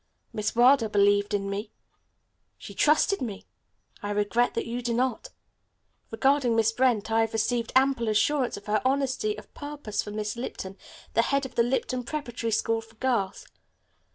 Miss Wilder believed in me. She trusted me. I regret that you do not. Regarding Miss Brent, I have received ample assurance of her honesty of purpose from Miss Lipton, the head of the Lipton Preparatory School for Girls.